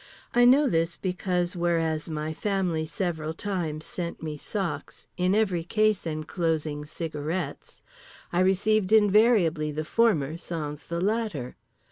I know this because, whereas my family several times sent me socks in every case enclosing cigarettes, I received invariably the former sans the latter.